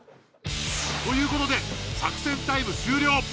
ということで作戦タイム終了。